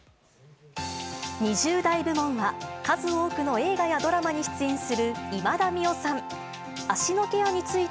２０代部門は、数多くの映画やドラマに出演する今田美桜さん。